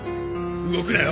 動くなよ。